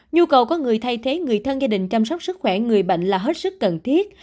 nhu cầu có người thay thế người thân gia đình chăm sóc sức khỏe người bệnh là hết sức cần thiết